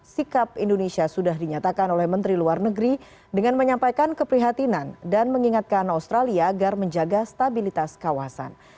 sikap indonesia sudah dinyatakan oleh menteri luar negeri dengan menyampaikan keprihatinan dan mengingatkan australia agar menjaga stabilitas kawasan